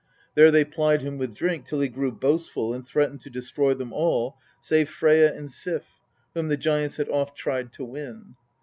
There they plied him with drink till he grew boastful and threatened to destroy them all save Freyja and Sif, whom the giants had oft tried to win.